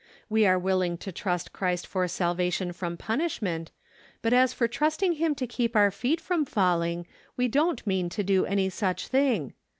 We are willing to trust Christ for salvation from punishment, but as for trusting Him to keep our feet from falling, we don't mean to do any such thing.